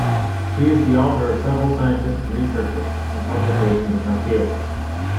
She is the author of several scientific researches and publications in her field.